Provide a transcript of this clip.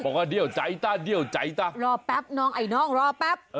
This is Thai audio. บอกว่าเดี่ยวใจจะเดี่ยวใจจะรอแป๊ปไอ้น้องรอแป๊ป